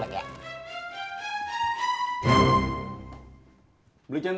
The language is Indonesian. oke deh kita langsung wick